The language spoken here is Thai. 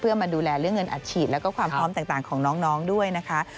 เพื่อมาดูแลเรื่องเงินอัดฉีดแล้วก็ความพร้อมต่างของน้องด้วยนะคะ